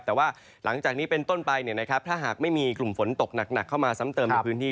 แต่ว่าหลังจากนี้เป็นต้นไปถ้าหากไม่มีกลุ่มฝนตกหนักเข้ามาซ้ำเติมในพื้นที่